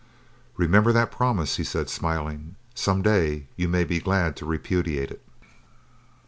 "Remember that promise," he said smiling. "Some day you may be glad to repudiate it."